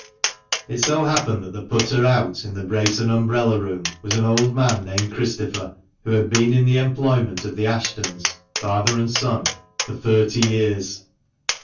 It so happened that the "putter out" in the brace and umbrella room was an old man named Christopher, who had been in the employment of the Ashtons (father and son) for thirty years.